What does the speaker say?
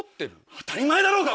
当たり前だろうが！